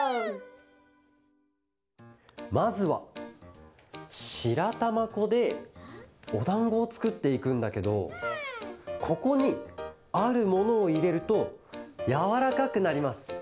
まずはしらたまこでおだんごをつくっていくんだけどここにあるものをいれるとやわらかくなります。